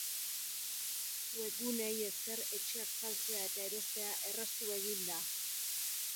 Webguneei esker, etxeak saltzea eta erostea erraztu egin da.